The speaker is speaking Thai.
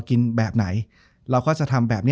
จบการโรงแรมจบการโรงแรม